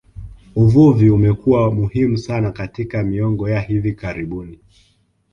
Uvuvi umekuwa muhimu sana katika miongo ya hivi karibuni